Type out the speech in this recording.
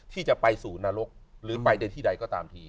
ที่จะไปสู่นรกหรือไปในที่ใดก็ตามที